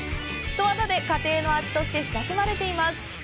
十和田で家庭の味として親しまれています！